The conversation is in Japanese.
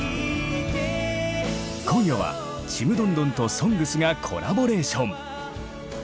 今夜は「ちむどんどん」と「ＳＯＮＧＳ」がコラボレーション。